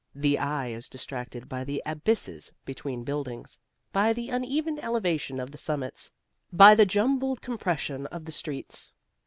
The eye is distracted by the abysses between buildings, by the uneven elevation of the summits, by the jumbled compression of the streets.